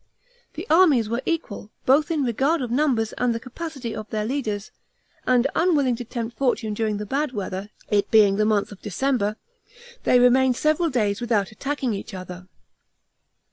The armies were equal, both in regard of numbers and the capacity of their leaders, and unwilling to tempt fortune during the bad weather, it being the month of December, they remained several days without attacking each other.